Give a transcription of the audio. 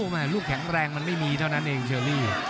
แม่ลูกแข็งแรงมันไม่มีเท่านั้นเองเชอรี่